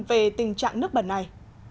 về tình trạng nước bẩn này